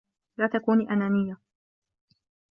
لا تكوني أنانيّة!